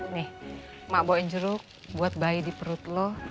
nih mak bawain jeruk buat bayi di perut lo